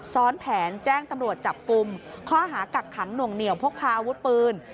ซ้อนแผนแจ้งตำรวจจับกลุ่มข้อหากักขังหน่วงเหนียวพกพาอาวุธปืน